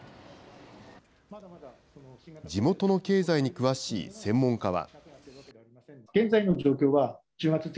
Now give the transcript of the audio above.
地元の経済に詳しい専門家は。